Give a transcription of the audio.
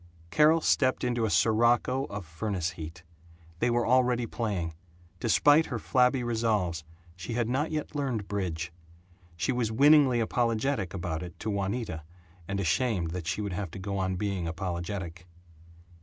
Carol stepped into a sirocco of furnace heat. They were already playing. Despite her flabby resolves she had not yet learned bridge. She was winningly apologetic about it to Juanita, and ashamed that she should have to go on being apologetic.